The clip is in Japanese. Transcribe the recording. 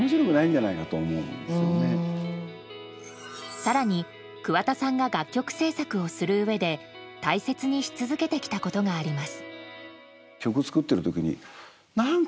更に、桑田さんが楽曲制作をするうえで大切にし続けてきたことがあります。